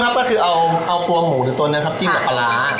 ก็เริ่มครับก็คือเอาปลั่งหมูที่ตัวนั้นครับจิ้มกับปลาร่า